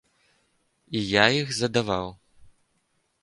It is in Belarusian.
І я іх задаваў.